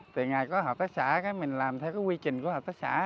từ ngày có hợp tác xã mình làm theo cái quy trình của hợp tác xã